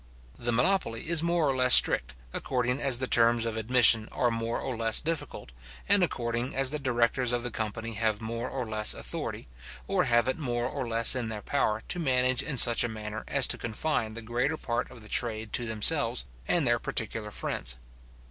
The monopoly is more or less strict, according as the terms of admission are more or less difficult, and according as the directors of the company have more or less authority, or have it more or less in their power to manage in such a manner as to confine the greater part of the trade to themselves and their particular friends.